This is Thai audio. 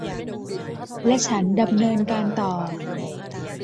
และฉันดำเนินการต่อ